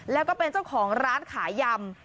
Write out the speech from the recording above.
แล้วก็เป็นเจ้าของร้านขายยำ